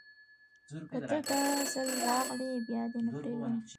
که ته، داځل راغلي بیا دې نه پریږدم